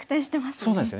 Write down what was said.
そうなんですよね。